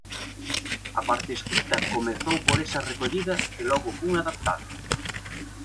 A parte escrita comezou por esa recollida que logo fun adaptando.